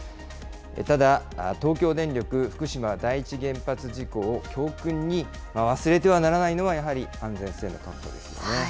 ただ、東京電力福島第一原発事故を教訓に、忘れてはならないのは、やはり安全性の確保ですよね。